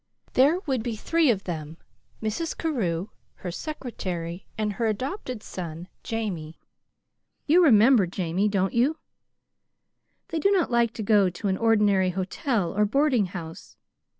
There would be three of them, Mrs. Carew, her secretary, and her adopted son, Jamie. (You remember Jamie, don't you?) They do not like to go to an ordinary hotel or boarding house.